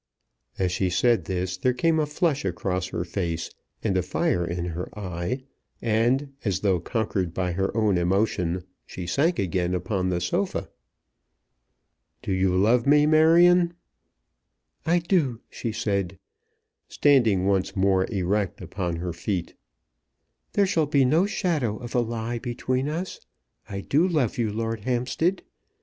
As she said this there came a flush across her face, and a fire in her eye, and, as though conquered by her own emotion, she sank again upon the sofa. "Do you love me, Marion?" "I do," she said, standing once more erect upon her feet. "There shall be no shadow of a lie between us. I do love you, Lord Hampstead.